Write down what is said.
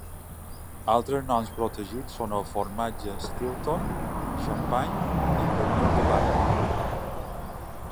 Altres noms protegits són el formatge Stilton, Champagne i pernil de Parma.